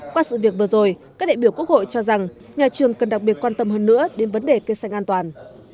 qua sự việc vừa rồi các đại biểu quốc hội cho rằng nhà trường cần đặc biệt quan tâm hơn nữa đến vấn đề cây xanh an toàn